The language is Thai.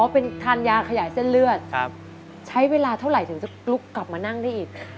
เป็นทานยาขยายเส้นเลือดใช้เวลาเท่าไหร่ถึงจะลุกกลับมานั่งได้อีก